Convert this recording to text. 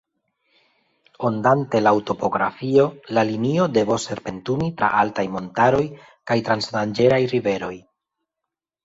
Ondante laŭ topografio, la linio devos serpentumi tra altaj montaroj kaj trans danĝeraj riveroj.